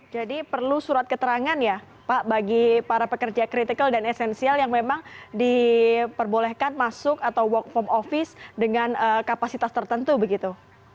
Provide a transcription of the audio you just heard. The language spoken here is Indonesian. jadi perlu surat keterangan ya pak bagi para pekerja kritikal dan esensial yang memang diperbolehkan masuk atau work from office dengan kapasitas tertentu begitu